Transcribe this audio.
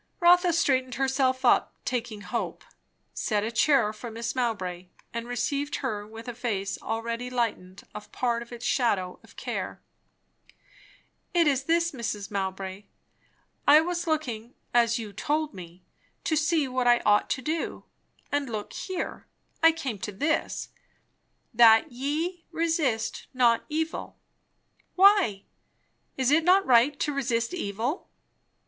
Rotha straightened herself up, taking hope; set a chair for Mrs. Mowbray, and received her with a face already lightened of part of its shadow of care. "It is this, Mrs. Mowbray. I was looking, as you told me, to see what I ought to do; and look here, I came to this: 'That ye resist not evil.' Why? Is it not right to resist evil?"